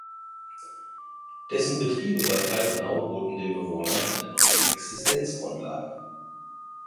Dessen Betriebe bei Falkenau boten den Bewohnern eine neue Existenzgrundlage.